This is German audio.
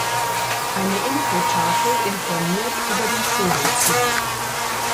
Eine Infotafel informiert über den Vogelzug.